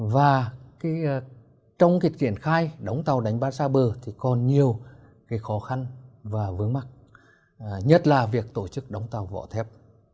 và trong cái triển khai đóng tàu đánh bắt xa bờ thì còn nhiều khó khăn và vướng mắt nhất là việc tổ chức đóng tàu vỏ thép